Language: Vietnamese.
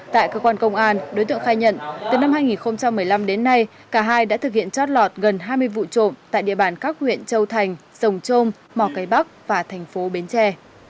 tại cơ quan công an đối tượng khai nhận từ năm hai nghìn một mươi năm đến nay cả hai đã thực hiện trót lọt gần hai mươi vụ trộm tại địa bàn các huyện châu thành rồng trôm mò cái bắc và thành phố bến tre